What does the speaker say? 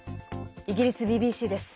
イギリスＢＢＣです。